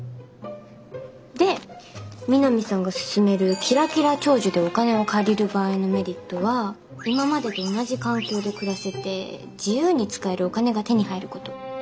で美波さんが勧める「きらきら長寿」でお金を借りる場合のメリットは今までと同じ環境で暮らせて自由に使えるお金が手に入ること。